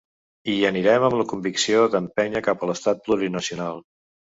Hi anirem amb la convicció d’empènyer cap a l’estat plurinacional.